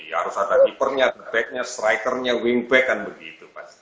harus ada keepernya backnya strikernya wingback kan begitu pasti